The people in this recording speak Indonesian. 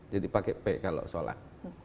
jadi pakai p kalau solar